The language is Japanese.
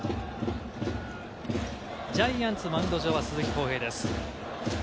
ジャイアンツのマウンド上は鈴木康平です。